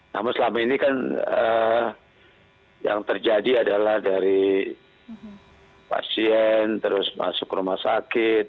namun selama ini kan yang terjadi adalah dari pasien terus masuk rumah sakit